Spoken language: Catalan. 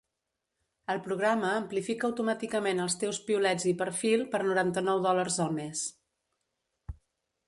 El programa amplifica automàticament els teus piulets i perfil per noranta-nou dòlars al mes.